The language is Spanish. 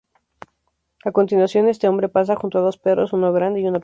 A continuación, este hombre pasa junto a dos perros, uno grande y uno pequeño.